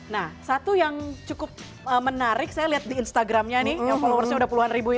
nah satu yang cukup menarik saya lihat di instagramnya nih yang followersnya udah puluhan ribu ya